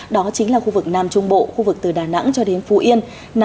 đó chính là khu vực nam trung bộ khu vực từ đà nẵng cho đến phú yên